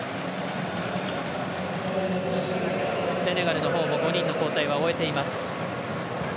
セネガルのほうも５人の交代は終えています。